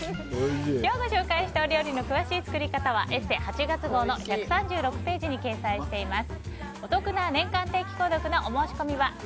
今日ご紹介したお料理の詳しい作り方は「ＥＳＳＥ」８月号の１３６ページに掲載しています。